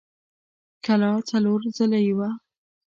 کلا څلور ضلعۍ وه.